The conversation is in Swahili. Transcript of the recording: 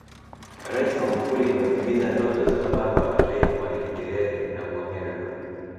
Rais Magufuli ametimiza ndoto ya Baba wa Taifa Mwalimu Nyerere ya kuhamia Dodoma